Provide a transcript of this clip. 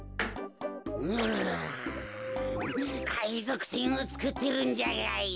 うかいぞくせんをつくってるんじゃがよ。